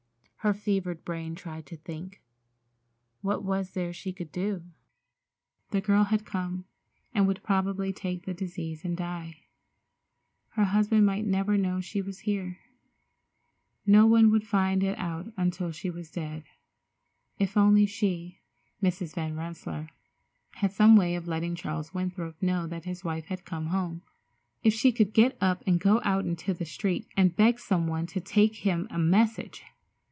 Her fevered brain tried to think. What was there she could do? The girl had come, and would probably take the disease and die. Her husband might never know she was here. No one would find it out until she was dead. If only she—Mrs. Van Rensselaer—had some way of letting Charles Winthrop know that his wife had come home. If she could get up and go out into the street and beg some one to take him a message!